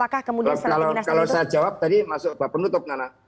kalau saya jawab tadi masuk penutup nana